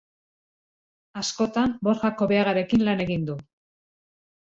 Askotan, Borja Kobeagarekin lan egin du.